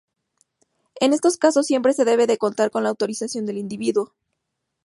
En estos casos siempre se debe de contar con la autorización del individuo.